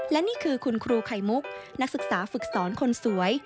และนี่คือคุณครูไข่มุกนักศึกษาฝึกสอนคนสวย